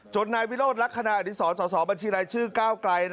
นายวิโรธลักษณะอดีศรสอสอบัญชีรายชื่อก้าวไกล